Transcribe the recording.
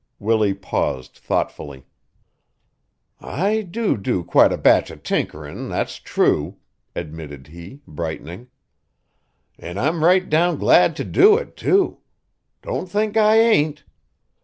Willie paused thoughtfully. "I do do quite a batch of tinkerin', that's true," admitted he, brightening, "an' I'm right down glad to do it, too. Don't think I ain't.